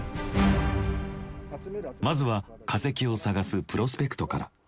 まずは化石を探すプロスペクトから。